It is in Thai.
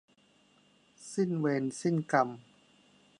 สิ้นเวรสิ้นกรรม